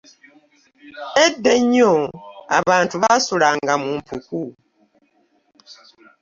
Edda ennyo abantu basulanga mu mpuku.